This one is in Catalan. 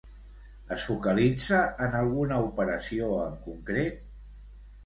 Es focalitza en alguna operació en concret?